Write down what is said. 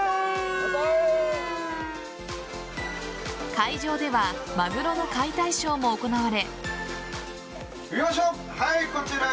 会場ではマグロの解体ショーも行われ。